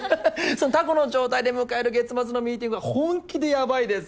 そのタコの状態で迎える月末のミーティングは本気でヤバいです。